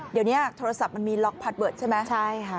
เดี๋ยวนี้โทรศัพท์มันมีล็อกพาร์ทเวิร์ดใช่ไหมใช่ค่ะ